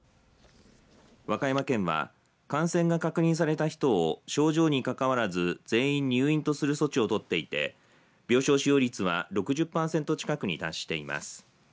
和歌山県は感染が確認された人を症状にかかわらず全員入院とする措置をとっていて病床使用率は６０パーセント近くに達しています。